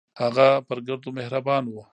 هغه پر ګردو مهربان و.